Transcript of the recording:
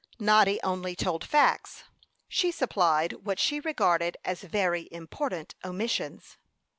Noddy only told facts; she supplied what she regarded as very important omissions.